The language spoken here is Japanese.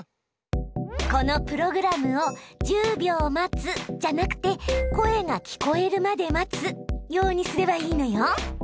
このプログラムを「１０秒待つ」じゃなくて「声が聞こえるまで待つ」ようにすればいいのよ。